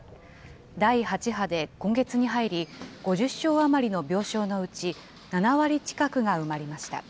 第８波で今月に入り、５０床余りの病床のうち、７割近くが埋まりました。